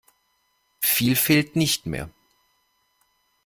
Viel fehlt nicht mehr.